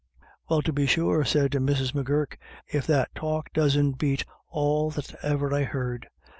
"" Well, tubbe sure," said Mrs. M'Gurk, " if that talk doesn't bate all that ever I heard